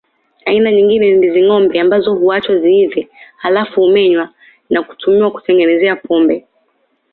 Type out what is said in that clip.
Aina nyingine ni ndizi ngombe ambazo huachwa ziive halafu humenywa na kutumiwa kutengenezea pombe